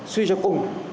suy cho cùng